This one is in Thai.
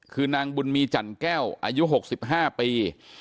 คือนางบุญมีจันแก้วอายุ๖๕ปี